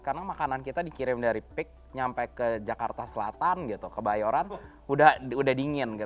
karena makanan kita dikirim dari peak sampai ke jakarta selatan ke bayoran udah dingin